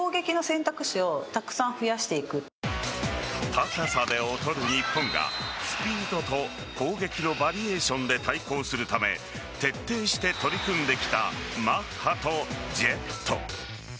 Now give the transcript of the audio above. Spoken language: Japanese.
高さで劣る日本がスピードと攻撃のバリエーションで対抗するため徹底して取り組んできたマッハとジェット。